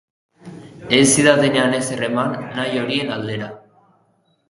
Ez zidatenan ezer eman nahi horien aldera.